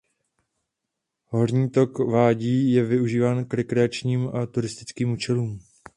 Horní tok vádí je využíván k rekreačním a turistickým účelům.